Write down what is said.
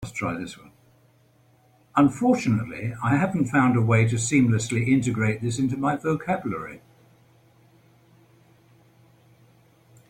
Unfortunately, I haven't found a way to seamlessly integrate this into my vocabulary.